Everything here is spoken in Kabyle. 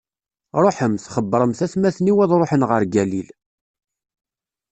Ṛuḥemt, xebbṛemt atmaten-iw ad ṛuḥen ɣer Galil.